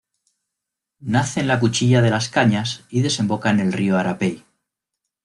Nace en la Cuchilla de las Cañas y desemboca en el río Arapey.